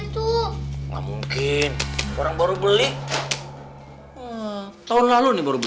itu nggak mungkin orang baru beli tahun lalu nih baru beli